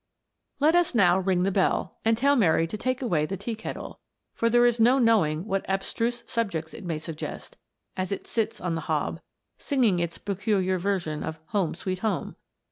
Let us now ring the bell, and tell Mary to take away the tea kettle, for there is no knowing what abstruse subjects it may suggest, as it sits on the 174 WATER BEWITCHED. hob, singing its peculiar version of " Home, sweet home